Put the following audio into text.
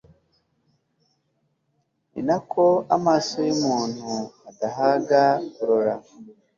ni na ko amaso y'umuntu adahaga kurora